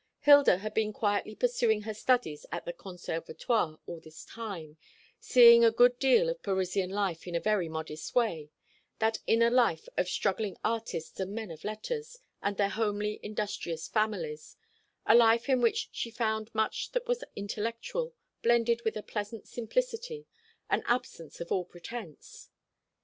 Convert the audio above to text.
Hilda had been quietly pursuing her studies at the Conservatoire all this time, seeing a good deal of Parisian life in a very modest way that inner life of struggling artists and men of letters, and their homely industrious families, a life in which she found much that was intellectual, blended with a pleasant simplicity, an absence of all pretence.